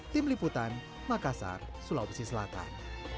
tim liputan makassar sulawesi selatan